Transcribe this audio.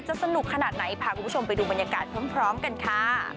สนุกขนาดไหนพาคุณผู้ชมไปดูบรรยากาศพร้อมกันค่ะ